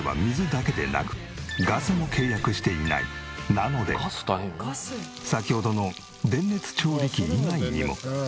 なので先ほどの電熱調理器以外にも。